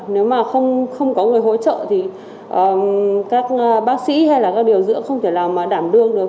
nếu mà không có người hỗ trợ thì các bác sĩ hay là các điều dưỡng không thể nào mà đảm đương được